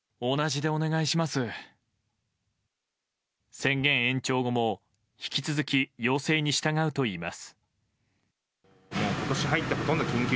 宣言延長後も引き続き要請に従うといいます。